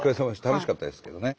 楽しかったですけどね。